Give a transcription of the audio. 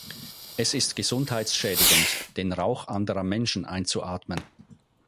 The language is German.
Es ist gesundheitsschädigend, den Rauch anderer Menschen einzuatmen.